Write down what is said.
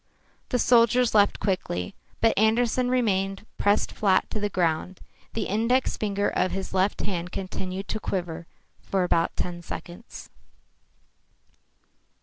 The soldiers left quickly. But Andersen remained pressed flat to the ground. The index finger of his left hand continued to quiver for about ten seconds.